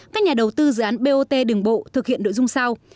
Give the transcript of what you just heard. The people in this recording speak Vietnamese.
các nhà đầu tư dự án bot đường bộ thực hiện nội dung sau